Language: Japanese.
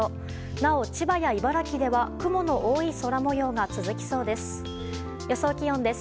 なお千葉や茨城では雲の多い空模様が続きそうです。